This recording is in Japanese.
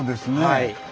はい。